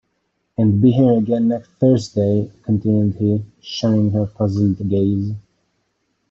‘And be here again next Thursday,’ continued he, shunning her puzzled gaze.